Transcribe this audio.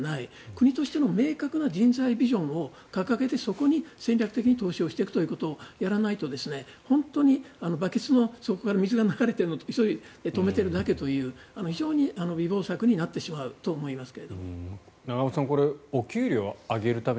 国としての明確な人材ビジョンを掲げてそこに戦略的に投資をしていくということをやらないと本当にバケツの底から水が流れているのをそれを止めてしまうだけという弥縫策になってしまうと思います。